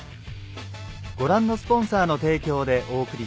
はい。